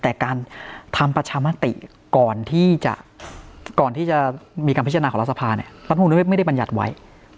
แต่การทำประชามติก่อนที่จะก่อนที่จะมีการพิจารณาของรัฐสภาเนี่ยรัฐมนุนไม่ได้บรรยัติไว้